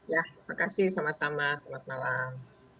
ya terima kasih sama sama selamat malam